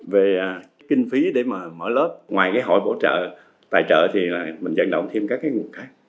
về kinh phí để mở lớp ngoài hội bổ trợ tài trợ thì mình giận động thêm các nguồn khác